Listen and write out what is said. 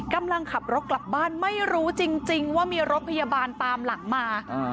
กำลังขับรถกลับบ้านไม่รู้จริงว่ามีรถพยาบาลตามหลังมา